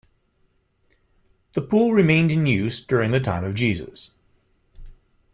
The pool remained in use during the time of Jesus.